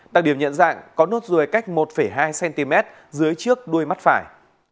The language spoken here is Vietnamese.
đặc điểm nhận dạng có nốt ruồi cách một hai cm dưới trước đuôi mắt phải